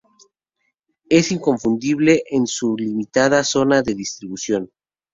Es inconfundible en su limitada zona de distribución.